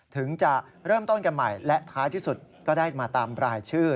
ถึงจะเริ่มต้นกันใหม่และท้ายที่สุดก็ได้มาตามรายชื่อ